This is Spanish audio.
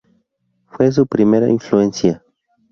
Fue su primera influencia.